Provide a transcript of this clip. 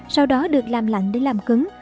sau đó được làm lạnh để làm cứng